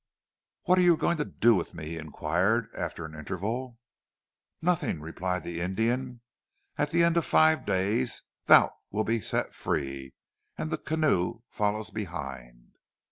"What are you going to do with me?" he inquired after an interval. "Nothing," replied the Indian. "At the end of five days thou wilt be set free, and the canoe follows behind."